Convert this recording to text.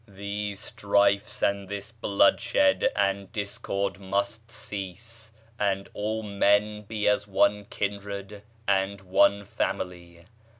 These strifes and this bloodshed and discord must cease, and all men be as one kindred and one family....